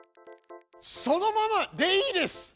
そのままでいいです！